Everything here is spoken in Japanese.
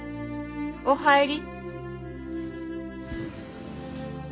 お入り。